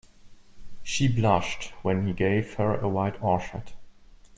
She blushed when he gave her a white orchid.